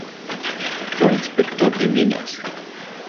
Fue inspector de minas.